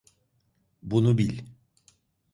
Bunu bil.